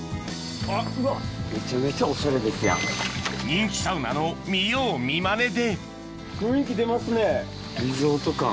人気サウナの見よう見まねでリゾート感。